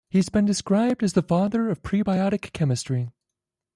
He has been described as the "father of prebiotic chemistry".